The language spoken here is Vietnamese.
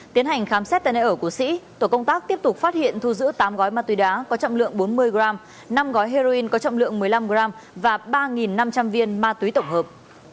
tiến hành khám xét tại nơi ở của sĩ tổ công tác tiếp tục phát hiện thu giữ tám gói ma túy đá có trọng lượng bốn mươi g năm gói heroin có trọng lượng một mươi năm g và ba năm trăm linh viên ma túy tổng hợp